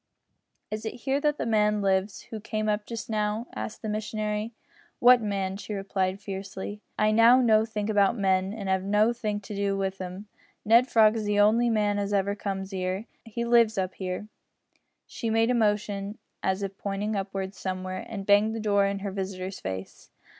"Is it here that the man lives who came up just now?" asked the missionary. "What man?" she replied, fiercely, "I know nothink about men, an' 'ave nothink to do with 'em. Ned Frog's the on'y man as ever comes 'ere, an' he lives up there." She made a motion, as if pointing upwards somewhere, and banged the door in her visitor's face.